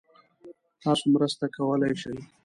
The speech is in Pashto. تاسو مرسته کولای شئ؟